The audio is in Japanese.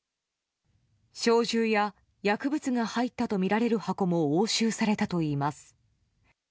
小銃や薬物が入ったとみられる箱も押収されたといいます。